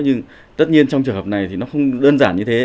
nhưng tất nhiên trong trường hợp này thì nó không đơn giản như thế